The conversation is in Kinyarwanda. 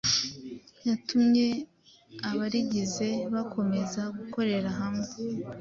yatumye abarigize bakomeza gukorera hamwe